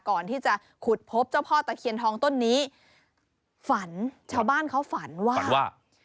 ก่อนที่จะขุดพบเจ้าพ่อตะเคียนทองต้นนี้ฝันชาวบ้านเขาฝันว่าว่า